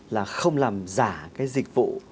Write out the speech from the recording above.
là không làm giả cái dịch vụ